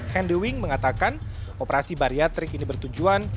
hendewing mengatakan operasi bariatrik ini bertujuan